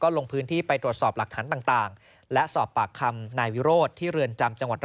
ลงพื้นที่ไปตรวจสอบหลักฐานต่างและสอบปากคำนายวิโรธที่เรือนจำจังหวัด